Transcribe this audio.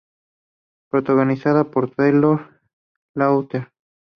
Protagonizada por Taylor Lautner.